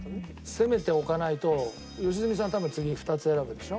攻めておかないと良純さん多分次２つ選ぶでしょ？